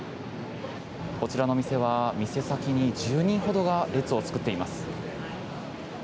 こちらの店は店先に１０人ほどが列を作っています。